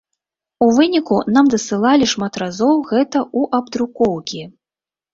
У выніку нам дасылалі шмат разоў гэта ў абдрукоўкі.